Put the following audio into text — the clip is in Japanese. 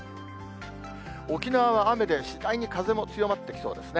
沖縄は雨で、次第に風も強まってきそうですね。